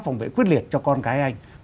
phòng vệ quyết liệt cho con cái anh